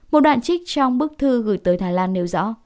một đoạn trích trong bức thư gửi tới thái lan nêu rõ